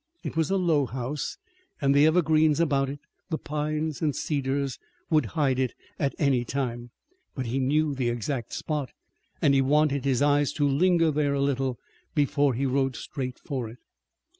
It was a low house, and the evergreens about it, the pines and cedars would hide it at any time. But he knew the exact spot, and he wanted his eyes to linger there a little before he rode straight for it.